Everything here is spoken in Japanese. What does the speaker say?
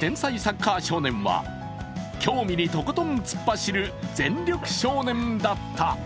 天才サッカー少年は興味にとことん突っ走る全力少年だった。